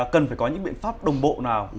cần phải có những biện pháp đồng bộ nào